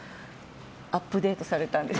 アップデートされたんです。